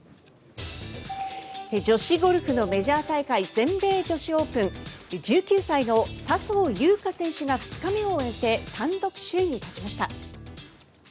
女子ゴルフのメジャー大会全米女子オープン１９歳の笹生優花選手が２日目を終えて単独首位に立ちました。